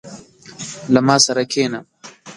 • له ما سره کښېنه.